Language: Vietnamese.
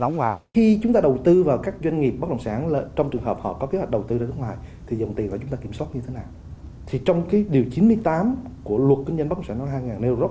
như vậy khi chúng ta đầu tư vào cái doanh nghiệp đó